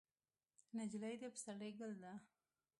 نجلۍ د پسرلي ګل ده.